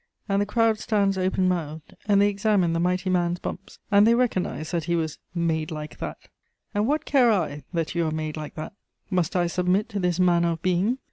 And the crowd stands open mouthed, and they examine the mighty man's bumps, and they recognise that he was "made like that." And what care I that you are made like that! Must I submit to this manner of being?